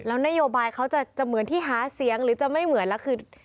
แล้วนโยบายเขาจะเหมือนที่หาเสียงหรือจะไม่เหมือนแล้วคือ